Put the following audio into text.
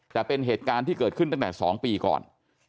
แต่เป็นเหตุการณ์ที่เกิดขึ้นตั้งแต่๒ปีก่อน